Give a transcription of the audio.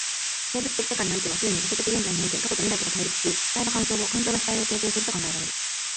生物的世界においては既に場所的現在において過去と未来とが対立し、主体が環境を、環境が主体を形成すると考えられる。